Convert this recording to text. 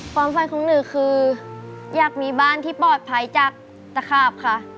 ความฝันของหนูคืออยากมีบ้านที่ปลอดภัยจากตะขาบค่ะ